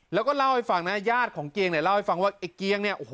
แล้วก็เล่าให้ฟังนะญาติของเกียงเนี่ยเล่าให้ฟังว่าไอ้เกียงเนี่ยโอ้โห